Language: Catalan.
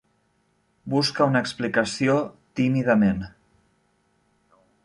Busca una explicació tímidament.